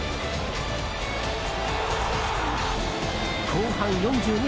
後半４２分